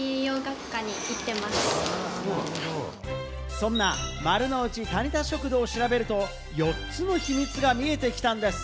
そんな丸の内タニタ食堂を調べると、４つの秘密が見えてきたんです。